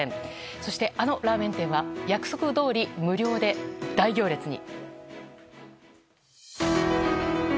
そして、あのラーメン店は約束どおり無料で大行列に。